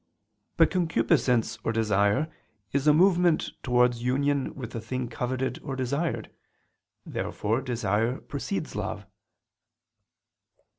But concupiscence or desire is a movement towards union with the thing coveted or desired. Therefore desire precedes love.